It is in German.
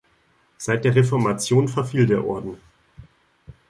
Seit der Reformation verfiel der Orden.